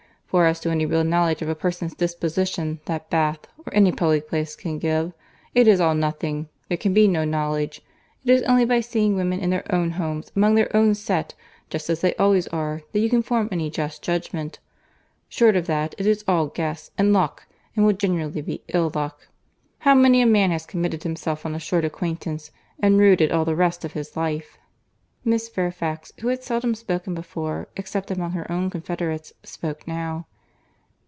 —for as to any real knowledge of a person's disposition that Bath, or any public place, can give—it is all nothing; there can be no knowledge. It is only by seeing women in their own homes, among their own set, just as they always are, that you can form any just judgment. Short of that, it is all guess and luck—and will generally be ill luck. How many a man has committed himself on a short acquaintance, and rued it all the rest of his life!" Miss Fairfax, who had seldom spoken before, except among her own confederates, spoke now.